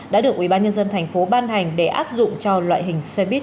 đã được ubnd tp ban hành để áp dụng cho loại hình xe buýt